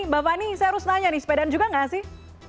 mbak fani saya harus nanya nih sepeda juga nggak sih